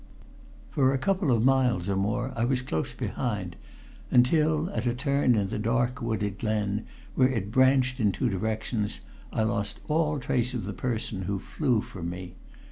For a couple of miles or more I was close behind, until, at a turn in the dark wooded glen where it branched in two directions, I lost all trace of the person who flew from me.